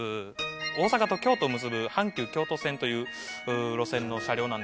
大阪と京都を結ぶ阪急京都線という路線の車両なんですけど。